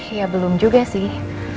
ya belum juga sih